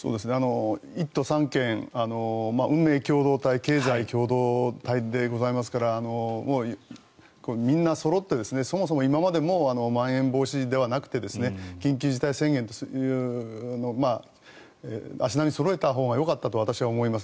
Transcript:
１都３県、運命共同体経済共同体でございますからみんなそろってそもそも今までもまん延防止ではなくて緊急事態宣言と足並みをそろえたほうがよかったと私は思います。